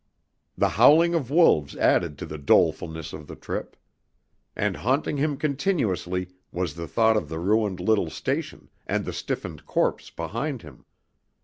The howling of wolves added to the dolefulness of the trip. And haunting him continuously was the thought of the ruined little station and the stiffened corpse behind him.